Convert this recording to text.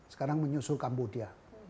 sekarang menyusul kambodia